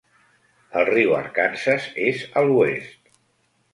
El riu Arkansas és a l'oest.